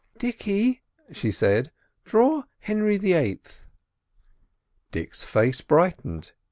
"Dicky," she said, "draw Henry the Eight." Dick's face brightened.